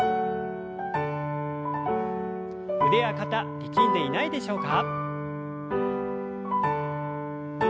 腕や肩力んでいないでしょうか。